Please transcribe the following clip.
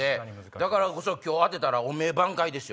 だからこそ今日当てたら汚名挽回ですよ。